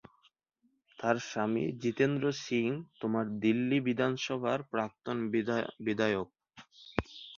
তার স্বামী জিতেন্দ্র সিং তোমার দিল্লি বিধানসভার প্রাক্তন বিধায়ক।